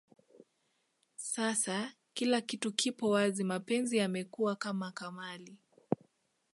Sasa kila kitu kipo wazi mapenzi yamekuwa kama kamali